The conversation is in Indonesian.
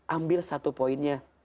ambil satu poinnya